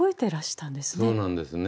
そうなんですね。